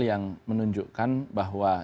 yang menunjukkan bahwa